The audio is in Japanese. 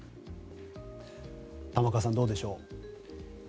玉川さんどうでしょう。